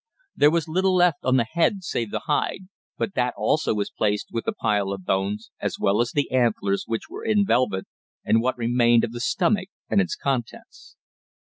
There was little left on the head save the hide, but that also was placed with the pile of bones, as well as the antlers, which were in velvet, and what remained of the stomach and its contents.